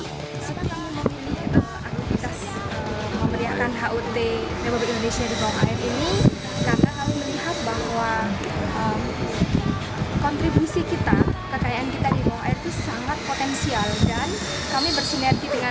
kami memilih aktivitas memberiakan hut republik indonesia di bawah air ini karena kami melihat bahwa kontribusi kita kekayaan kita di bawah air itu sangat potensial